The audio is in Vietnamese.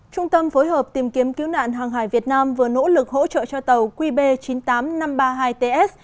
trung tâm phối hợp tìm kiếm cứu nạn hàng hải việt nam vừa nỗ lực hỗ trợ cho tàu qb chín mươi tám nghìn năm trăm ba mươi hai ts